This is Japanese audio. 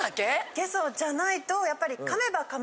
ゲソじゃないとやっぱり。